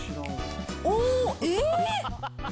おー、えっ？